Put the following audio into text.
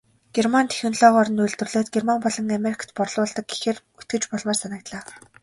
Герман технологиор нь үйлдвэрлээд Герман болон Америкт борлуулдаг гэхээр итгэж болмоор санагдлаа.